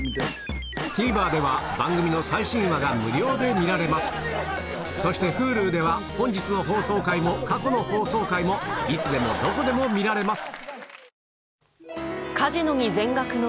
ＴＶｅｒでは番組の最新話が無料で見られますそしてＨｕｌｕでは本日の放送回も過去の放送回もいつでもどこでも見られます